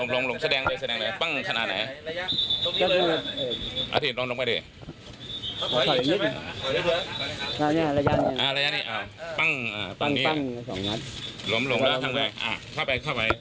รู้ชิว่าก็ตายในนี้ใช่มั้ย